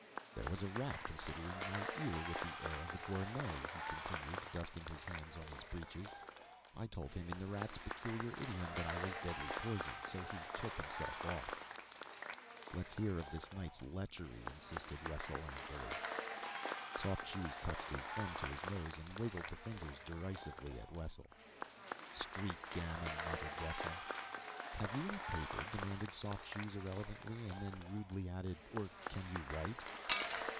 "There was a rat considered my ear with the air of a gourmet," he continued, dusting his hands on his breeches. "I told him in the rat's peculiar idiom that I was deadly poison, so he took himself off." "Let's hear of this night's lechery!" insisted Wessel angrily. Soft Shoes touched his thumb to his nose and wiggled the fingers derisively at Wessel. "Street gamin!" muttered Wessel. "Have you any paper?" demanded Soft Shoes irrelevantly, and then rudely added, "or can you write?"